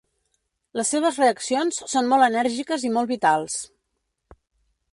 Les seves reaccions són molt enèrgiques i molt vitals.